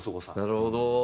なるほど！